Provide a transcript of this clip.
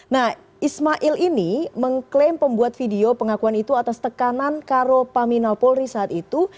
nah ismail ini mengklaim pembuat video pengakuan itu atas tekanan karo paminal polri saat itu